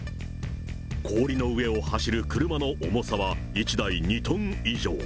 氷の上を走る車の重さは１台２トン以上。